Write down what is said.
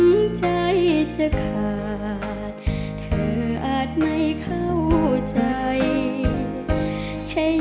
แม้จะเหนื่อยหล่อยเล่มลงไปล้องลอยผ่านไปถึงเธอ